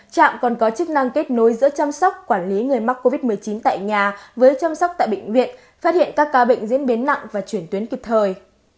trạm còn có chức năng kết nối giữa chăm sóc quản lý người mắc covid một mươi chín tại nhà với chăm sóc tại bệnh viện phát hiện các ca bệnh diễn biến nặng và chuyển tuyến kịp thời